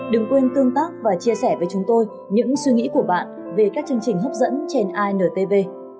đừng quên tương tác và chia sẻ với chúng tôi những suy nghĩ của bạn về các chương trình hấp dẫn trên intv